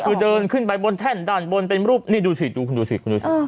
คือเดินขึ้นไปบนแท่นด้านบนเป็นรูปนี่ดูสิดูคุณดูสิคุณดูสิ